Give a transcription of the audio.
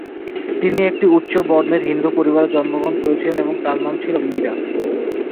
তিনি একটি উচ্চ-বর্ণের হিন্দু পরিবারে জন্মগ্রহণ করেছিলেন এবং তাঁর নাম ছিল মীরা।